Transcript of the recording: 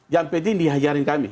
jam peti dihajarin kami